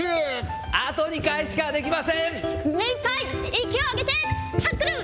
息を上げて、タックル。